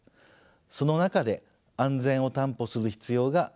その中で安全を担保する必要があります。